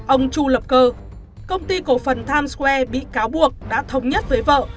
ông chu lập cơ công ty cổ phần times square bị cáo buộc đã thống nhất với vợ